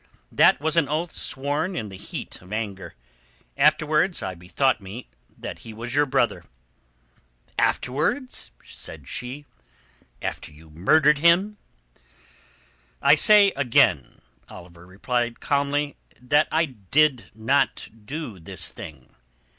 "That was an oath sworn in the heat of anger. Afterwards I bethought me that he was your brother." "Afterwards?" said she. "After you had murdered him?" "I say again," Oliver replied calmly, "that I did not do this thing."